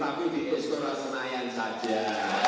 tapi di kekes kera senayan saja